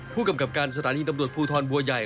ผู้กำกับการสถานีตำรวจภูทรบัวใหญ่